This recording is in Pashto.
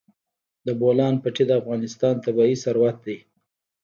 د بولان پټي د افغانستان طبعي ثروت دی.